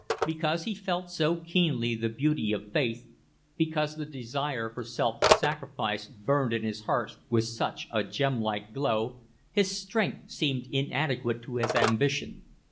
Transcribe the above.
Because he felt so keenly the beauty of faith, because the desire for self sacrifice burned in his heart with such a gem like glow, his strength seemed inadequate to his ambition.